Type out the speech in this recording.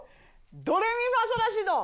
ドレミファソラシド！